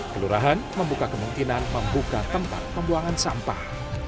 kelurahan membuka kemungkinan membuka tempat pembuangan sampah